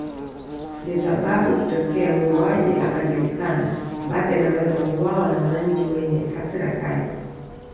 Ndio sababu ikitokea muuaji akajulikana basi anaweza kuuwawa na wanachi wenye hasra kali